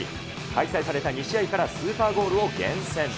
開催された２試合からスーパーゴールを厳選。